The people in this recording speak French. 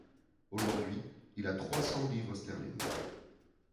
Aujourd’hui il a trois cents livres sterling.